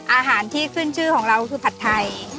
อาหารที่ขึ้นชื่อของเราคือผัดไทย